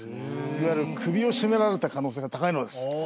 いわゆる首を絞められた可能性が高いのです。